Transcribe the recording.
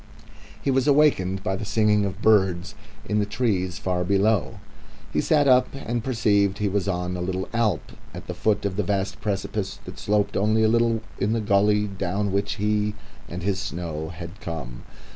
He was awakened by the singing of birds in the trees far below. He sat up and perceived he was on a little alp at the foot of a vast precipice, that was grooved by the gully down which he and his snow had come.